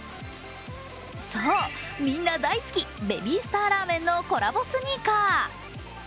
そう、みんな大好き、ベビースターラーメンのコラボスニーカー。